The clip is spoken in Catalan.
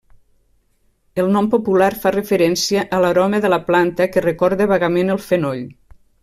El nom popular fa referència a l'aroma de la planta que recorda vagament el fenoll.